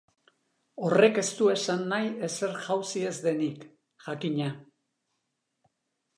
Horrek ez du esan nahi ezer jauzi ez denik, jakina.